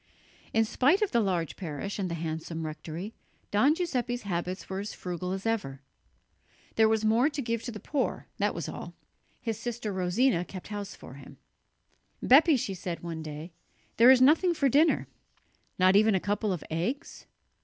In spite of the large parish and the handsome rectory, Don Giuseppe's habits were as frugal as ever. There was more to give to the poor, that was all. His sister Rosina kept house for him. "Bepi," she said one day, "there is nothing for dinner." "Not even a couple of eggs?"